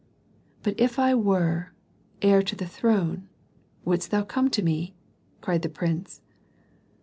"But if I were heir to the throne, wouldst thou come to me?" cried the prince.